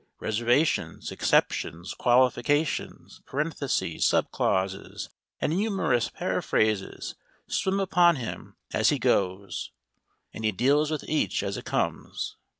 Reservations, exceptions, qualifications, parentheses, sub clauses, and humorous paraphrases swim upon him as he goes, and he deals with each as it comes.